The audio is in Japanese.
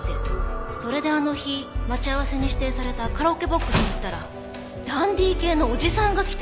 それであの日待ち合わせに指定されたカラオケボックスに行ったらダンディー系のおじさんが来て。